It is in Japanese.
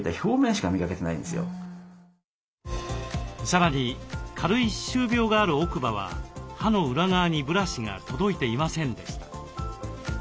さらに軽い歯周病がある奥歯は歯の裏側にブラシが届いていませんでした。